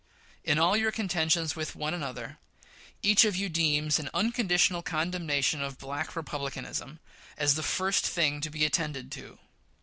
In all your contentions with one another, each of you deems an unconditional condemnation of "Black Republicanism" as the first thing to be attended to.